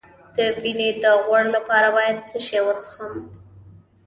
د وینې د غوړ لپاره باید څه شی وڅښم؟